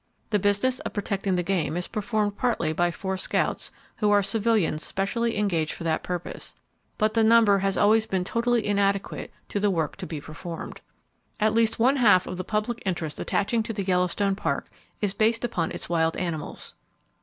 The business of protecting the game is performed partly by four scouts, who are civilians specially engaged for that purpose, but the number has always been totally inadequate to the work to be performed. At least one half of the public interest attaching to the Yellowstone Park is based upon its wild animals.